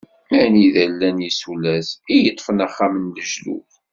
Anida i llan yisulas i yeṭfen axxam n lejdud.